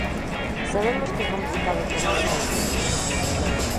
Sabemos que é complicado tomar esas medidas.